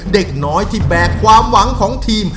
เด็กน้อยที่แบกความหวังของทีม